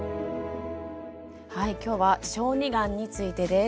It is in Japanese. はい今日は「小児がん」についてです。